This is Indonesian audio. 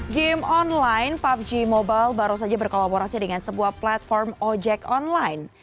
game online pubg mobile baru saja berkolaborasi dengan sebuah platform ojek online